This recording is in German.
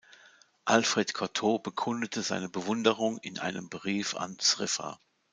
Alfred Cortot bekundete seine Bewunderung in einen Brief an Cziffra.